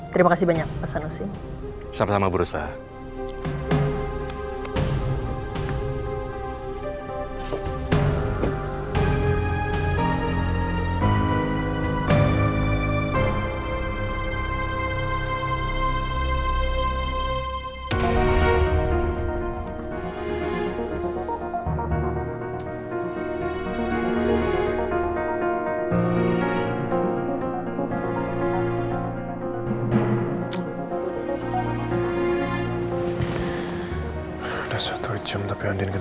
dari mana lagi aku bisa dapat petunjuk